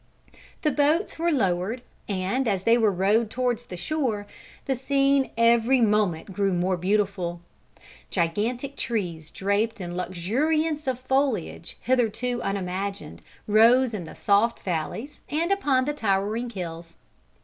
The boats were lowered, and, as they were rowed towards the shore, the scene every moment grew more beautiful. Gigantic trees draped in luxuriance of foliage hitherto unimagined, rose in the soft valleys and upon the towering hills.